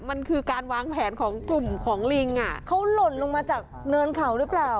มันคือการวางแผนของกลุ่มของลิงอ่ะเขาหล่นลงมาจากเนินเขาหรือเปล่า